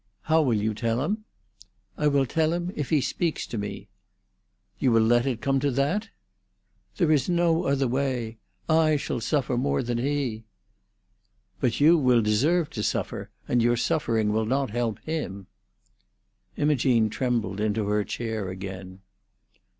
"How will you tell him?" "I will tell him if he speaks to me." "You will let it come to that?" "There is no other way. I shall suffer more than he." "But you will deserve to suffer, and your suffering will not help him." Imogene trembled into her chair again.